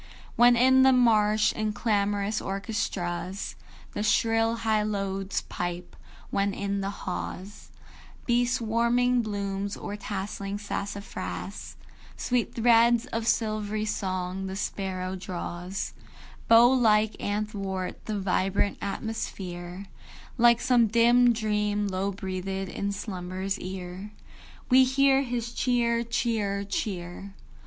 When in the marsh, in clamorous orchestras, The shrill hylodes pipe; when, in the haw's Bee swarming blooms, or tasseling sassafras, Sweet threads of silvery song the sparrow draws, Bow like, athwart the vibrant atmosphere, Like some dim dream low breathed in slumber's ear, We hear his "Cheer, cheer, cheer."